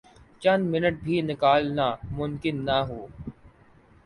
چند منٹ بھی نکالنا ممکن نہ ہوں۔